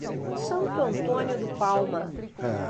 Santo Antônio do Palma